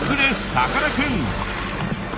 さかなクン！